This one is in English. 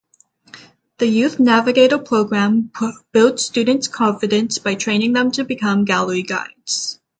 The Youth Navigator programme builds students' confidence by training them to become gallery guides.